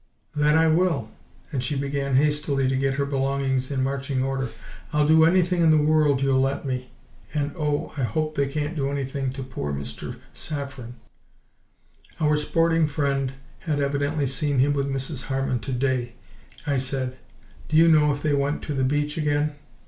"That I will!" And she began hastily to get her belongings in marching order. "I'll do anything in the world you'll let me and oh, I hope they can't do anything to poor, poor Mr. Saffren!" "Our sporting friend had evidently seen him with Mrs. Harman to day," I said. "Do you know if they went to the beach again?"